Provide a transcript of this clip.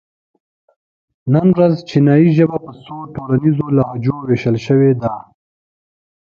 نن ورځ چینایي ژبه په څو ټولنیزو لهجو وېشل شوې ده.